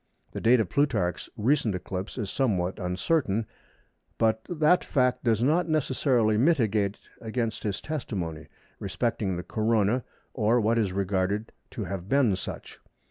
The date of Plutarch's "recent" eclipse is somewhat uncertain, but that fact does not necessarily militate against his testimony respecting the Corona or what is regarded to have been such.